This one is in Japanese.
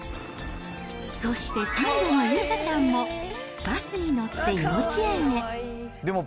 そして、三女の有花ちゃんも、バスに乗って幼稚園へ。